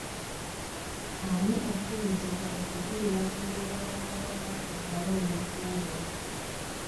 Ani akkirizibwa okujulira ku lw’Obwakabaka ku bbaluwa entongole?